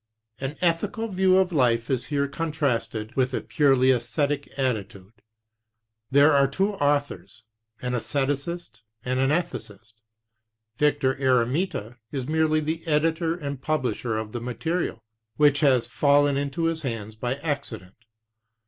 An ethical view of life is here contrasted with a purely esthetic attitude. There are two authors, an estheticist and an ethicist. Victor Eremita is merely the editor and publisher of the material, which has fallen into his hands by accident.